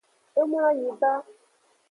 E mloanyi ba.